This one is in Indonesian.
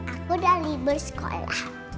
aku udah libur sekolah